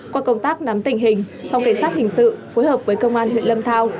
qua công tác nắm tình hình phòng cảnh sát hình sự phối hợp với công an huyện lâm thao